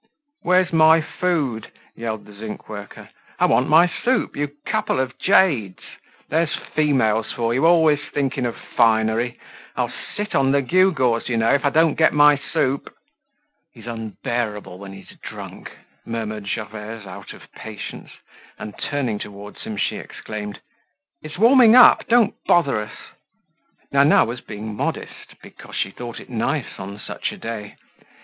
"Where's my food?" yelled the zinc worker. "I want my soup, you couple of jades! There's females for you, always thinking of finery! I'll sit on the gee gaws, you know, if I don't get my soup!" "He's unbearable when he's drunk," murmured Gervaise, out of patience; and turning towards him, she exclaimed: "It's warming up, don't bother us." Nana was being modest, because she thought it nice on such a day.